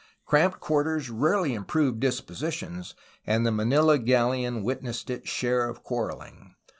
Cramped quarters rarely improve dispositions, and the Manila galleon wit nessed its share of quarreling.